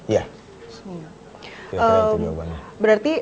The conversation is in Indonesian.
ya tidak ada yang tidak berarti